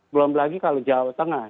belum lagi kalau jawa tengah